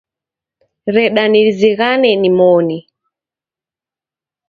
Reda nizighane nimoni